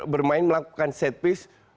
bermain melakukan set piece